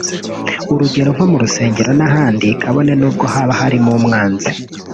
urugero nko mu nsengero n’ahandi kabone n’ubwo haba harimo umwanzi